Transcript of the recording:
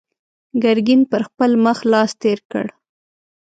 ګرګين پر خپل مخ لاس تېر کړ.